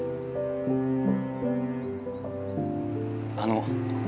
あの。